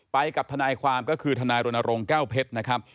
ไปกับทนายความก็คือทนายรณรงค์แก้วเพชรนะครับ